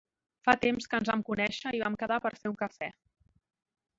Fa temps ens vam conèixer i vam quedar per a fer un cafè.